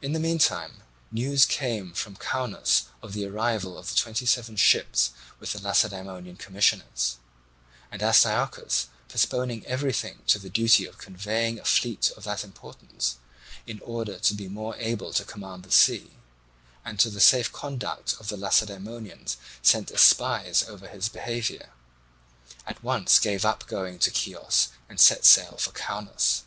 In the meantime news came from Caunus of the arrival of the twenty seven ships with the Lacedaemonian commissioners; and Astyochus, postponing everything to the duty of convoying a fleet of that importance, in order to be more able to command the sea, and to the safe conduct of the Lacedaemonians sent as spies over his behaviour, at once gave up going to Chios and set sail for Caunus.